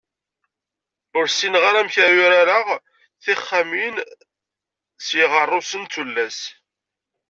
Ur ssineɣ ara amek ara urareɣ tixxamin s yiɣerrusen d tullas